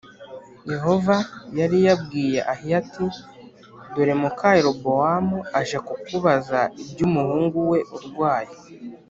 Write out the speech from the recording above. Yehova yari yabwiye Ahiya ati dore muka Yerobowamu aje kukubaza iby umuhungu we urwaye